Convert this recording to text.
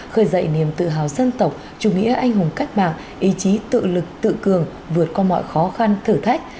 khởi dậy niềm tự hào dân tộc chủ nghĩa anh hùng cách mạng ý chí tự lực tự cường vượt qua mọi khó khăn thử thách